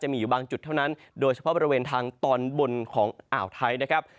มีอยู่บางจุดเท่านั้นโดยเฉพาะบริเวณทางตอนบนของอ่าวไทยนะครับ